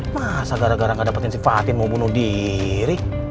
masa gara gara gak dapetin sifatin mau bunuh diri